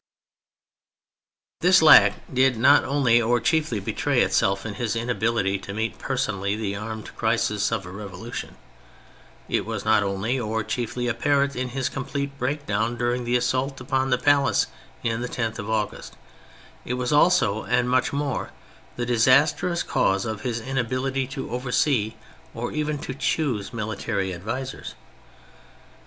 THE CHARACTERS 43 This lack did not only, or chiefly, betray itself in his inability to meet personally the armed crisis of a revolution; it was not only, or chiefly, apparent in his complete break down during the assault upon the palace on the 10th of August : it was also, and much more, the disastrous cause of his inability to oversee, or even to choose, military advisers.